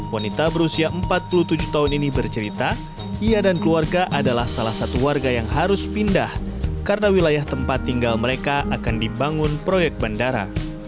wanita berusia empat puluh tujuh tahun ini bercerita ia dan keluarga adalah salah satu warga yang harus pindah karena wilayah tempat tinggal mereka akan dibangun proyek bandara